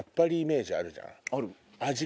ある。